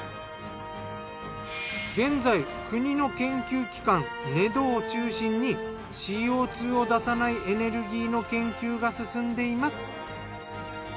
現在国の研究機関ＮＥＤＯを中心にＣＯ２を出さないエネルギーの研究が進んでいます。